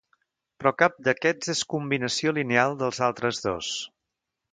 Però cap d'aquests és combinació lineal dels altres dos.